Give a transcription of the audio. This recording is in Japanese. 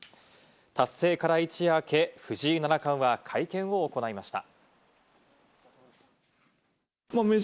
達成から一夜明け、藤井七冠は会見を行いました。